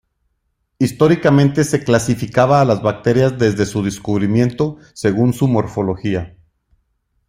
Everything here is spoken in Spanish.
Históricamente se clasificaba a las bacterias desde su descubrimiento según su morfología.